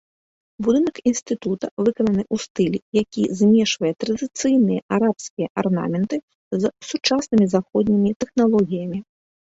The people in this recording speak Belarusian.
Будынак інстытута выкананы ў стылі, які змешвае традыцыйныя арабскія арнаменты з сучаснымі заходнімі тэхналогіямі.